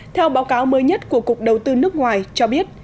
theo báo cáo mới nhất của cục đầu tư nước ngoài cho biết